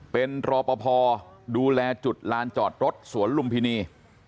เป็นรอปภดูแลจุดลานจอดรถสวนลุมพินี